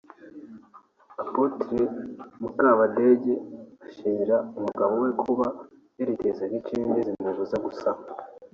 Apotre Mukabadege ushinjwa n'umugabo we kuba yaritezaga inshinge zimubuza gusama